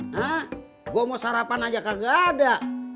hah gue mau sarapan aja kagak ada